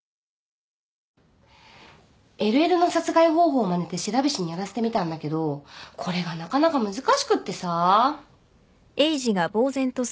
ＬＬの殺害方法をまねて白菱にやらせてみたんだけどこれがなかなか難しくってさ。